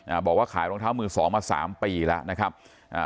อ่าบอกว่าขายรองเท้ามือสองมาสามปีแล้วนะครับอ่า